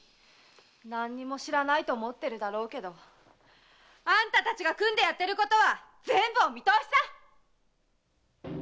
何も知らないと思ってるだろうけどあんたたちが組んでやってることは全部お見通しさ！